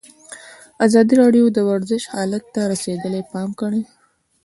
ازادي راډیو د ورزش حالت ته رسېدلي پام کړی.